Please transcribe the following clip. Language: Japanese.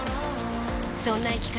そんな生き方